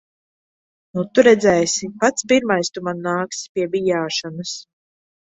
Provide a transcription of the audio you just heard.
Nu tu redzēsi. Pats pirmais tu man nāksi pie bijāšanas.